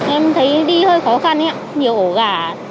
em thấy đi hơi khó khăn nhiều ổ gà